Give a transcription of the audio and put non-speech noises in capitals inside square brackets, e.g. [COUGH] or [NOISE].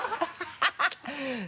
ハハハ [LAUGHS]